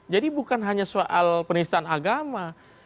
jadi bukan hanya soal penistaan agama